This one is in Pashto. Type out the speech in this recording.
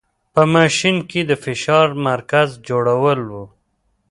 په ماشین کې د فشار مرکز جوړول و.